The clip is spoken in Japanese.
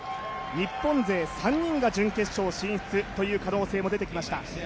日本勢３人が準決勝進出という可能性も出てきました。